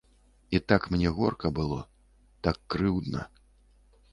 І так мне горка было, так крыўдна.